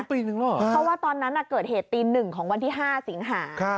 เพราะว่าตอนนั้นเกิดเหตุตี๑ของวันที่๕สิงหา